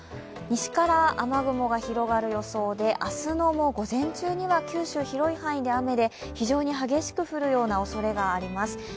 西から雨雲が広がる予想で明日の午前中には九州広い範囲で雨で非常に激しく降るようなおそれがあります。